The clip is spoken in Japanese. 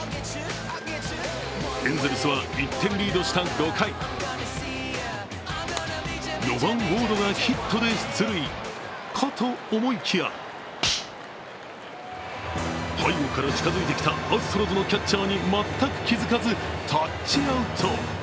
エンゼルスは、１点リードした５回、４番・ウォードがヒットで出塁かと思いきや背後から近づいてきたアストロズのキャッチャーに全く気付かずタッチアウト。